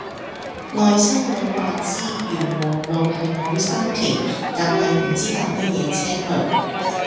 外甥女話知源禾路係喺沙田但係唔知搭咩野車去